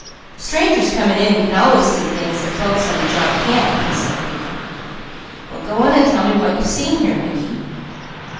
"Strangers coming in can always see things that folks on the job can't," consoled Mickey. "Well go on and tell me what you've seen here Mickey!"